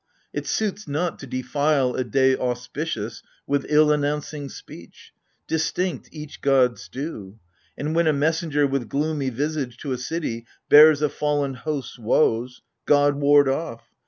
It suits not to defile a day auspicious With ill announcing speech : distinct each god's due And when a messenger with gloomy visage To a city bears a fall'n host's woes — God ward off